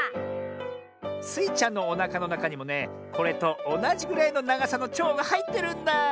スイちゃんのおなかのなかにもねこれとおなじぐらいのながさのちょうがはいってるんだあ。